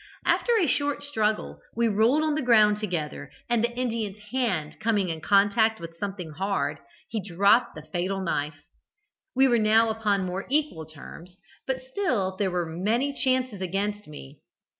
After a short struggle we rolled on the ground together, and the Indian's hand coming in contact with something hard, he dropped the fatal knife. We were now upon more equal terms, but still there were many chances against me.